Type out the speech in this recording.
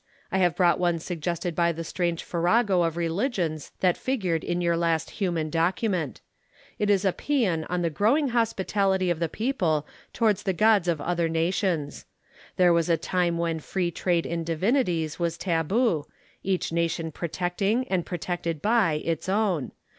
I have brought one suggested by the strange farrago of religions that figured in your last human document. It is a pæan on the growing hospitality of the people towards the gods of other nations. There was a time when free trade in divinities was tabu, each nation protecting, and protected by, its own.